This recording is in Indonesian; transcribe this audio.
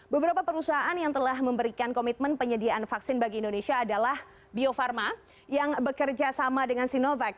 beberapa perusahaan yang telah memberikan komitmen penyediaan vaksin bagi indonesia adalah bio farma yang bekerja sama dengan sinovac